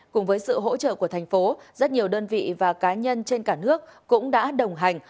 cùng với sự hỗ trợ của thành phố rất nhiều đơn vị và cá nhân trên cả nước cũng đã đồng hành